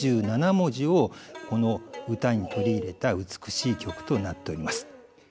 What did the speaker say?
４７文字をこの歌に取り入れた美しい曲となっております。